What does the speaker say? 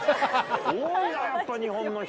多いなやっぱ日本の人。